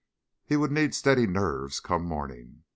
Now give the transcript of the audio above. He would need steady nerves come morning.